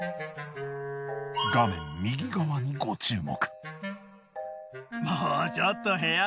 画面右側にご注目。